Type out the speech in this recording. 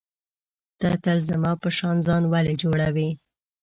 ته تل زما په شان ځان ولي جوړوې.